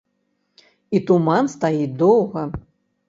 І туман стаіць доўга!